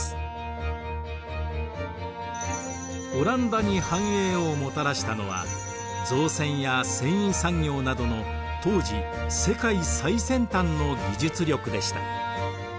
オランダに繁栄をもたらしたのは造船や繊維産業などの当時世界最先端の技術力でした。